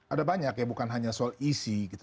ada banyak ya bukan hanya soal isi gitu